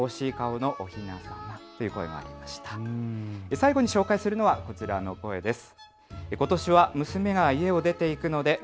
最後に紹介するのはこちらの声です。